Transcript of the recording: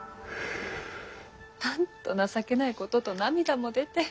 なんと情けないことと涙も出て。